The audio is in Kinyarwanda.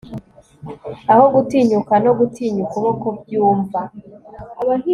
Aho gutinyuka no gutinya ukuboko byumva